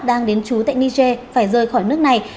đang đến trú tại niger phải rời khỏi nước này